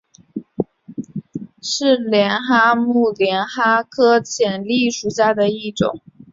是帘蛤目帘蛤科浅蜊属的一种。